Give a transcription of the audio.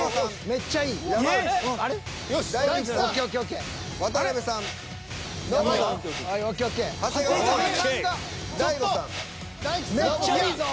めっちゃいいぞ。